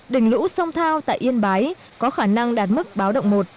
đỉnh lũ sông thao tại yên bái có khả năng đạt mức báo động một